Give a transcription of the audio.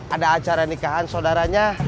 ada acara nikahan saudaranya